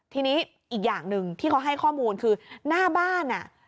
ทีนี้อีกอย่างหนึ่งที่เขาให้ข้อมูลคือหน้าบ้าน